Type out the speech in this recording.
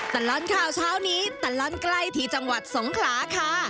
ตลอดข่าวเช้านี้ตลอดใกล้ที่จังหวัดสงขลาค่ะ